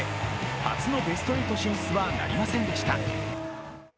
初のベスト８進出はなりませんでした。